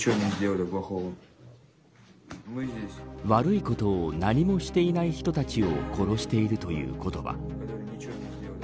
悪いことを何もしていない人たちを殺しているという言葉。